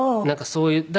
なんかそういう。